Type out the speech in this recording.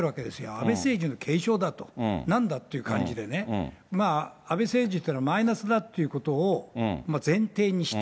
安倍政治の継承だと、なんだっていう感じでね、まあ、安倍政治っていうのは、マイナスだっていうことを前提にして。